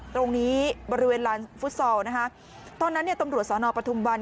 ตรงนี้บริเวณลานฟุตซอลตอนนั้นตำรวจสนปฐุมวัน